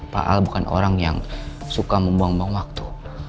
pak al bukan orang yang suka membuang buang waktu